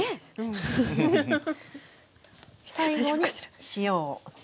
最後に塩を。